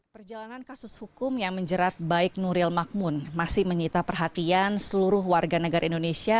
perjalanan kasus hukum yang menjerat baik nuril makmun masih menyita perhatian seluruh warga negara indonesia